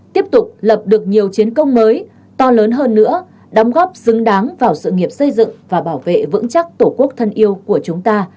tiếp tục lập được nhiều chiến công mới to lớn hơn nữa đóng góp xứng đáng vào sự nghiệp xây dựng và bảo vệ vững chắc tổ quốc thân yêu của chúng ta